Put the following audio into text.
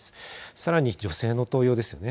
さらに女性の登用ですね。